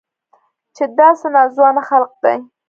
چې دا څه ناځوانه خلق دي.